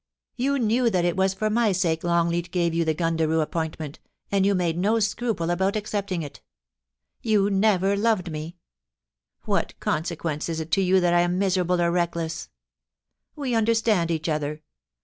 You knew that it was for my sake Longleat gave you the Gundaroo appointment, and you made no scruple about accepting it You never loved me. WTiat consequence is it to you that I am miser ^ able or reckless ? We understand each other.